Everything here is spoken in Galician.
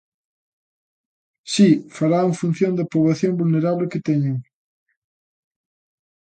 Si, farao en función da poboación vulnerable que teñan.